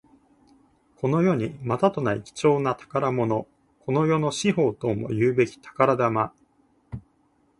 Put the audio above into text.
この世にまたとない貴重な宝物。この世の至宝ともいうべき宝玉。